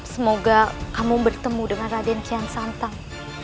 semoga kamu bertemu dengan raden kian santang